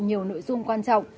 nhiều nội dung quan trọng